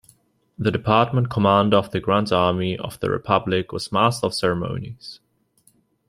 The Department Commander of the Grand Army of the Republic was master of ceremonies.